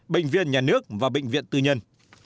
bệnh viên nhà nước và bệnh viện tư nhân